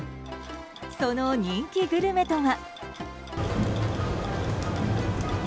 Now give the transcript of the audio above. その人気グルメとは。